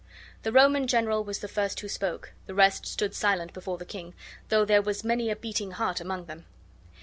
The Roman general was the first who spoke; the rest stood silent before the king, though there was many a beating heart among them.